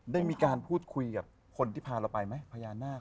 ได้มีการพูดคุยกับคนที่พาเราไปไหมพญานาค